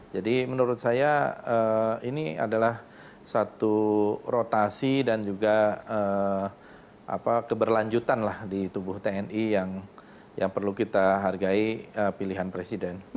jadi menurut saya ini adalah satu rotasi dan juga keberlanjutan di tubuh tni yang perlu kita hargai pilihan presiden